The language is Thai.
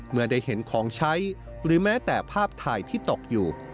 เมื่อได้เห็นของใช้หรือแม้แต่ภาพถ่ายที่ตกอยู่